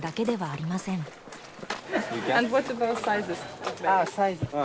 ああサイズは。